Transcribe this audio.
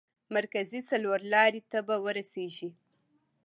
مرکزي څلور لارې ته به ورسېږئ.